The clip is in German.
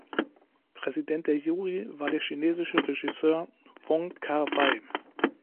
Präsident der Jury war der chinesische Regisseur Wong Kar-wai.